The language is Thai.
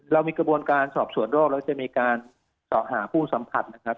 เรามีกระบวนการสอบสวนโรคแล้วจะมีการสอบหาผู้สัมผัสนะครับ